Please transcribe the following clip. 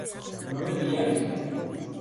¿no bebíais?